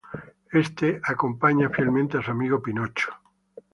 Este acompaña fielmente a su amigo Pinocho.